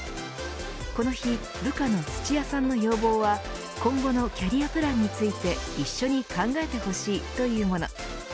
この日、部下の土屋さんの要望は今後のキャリアプランについて一緒に考えてほしいというもの。